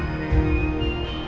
dan gak tanggung jawab